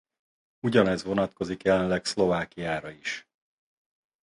Ugyanez vonatkozik jelenleg Szlovákiára is.